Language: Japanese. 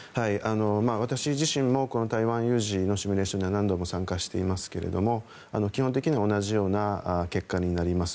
私自身も台湾有事のシミュレーションには何度も参加していますけども基本的には同じような結果になります。